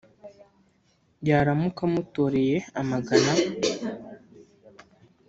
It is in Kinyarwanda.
yaramuka amutoreye amagana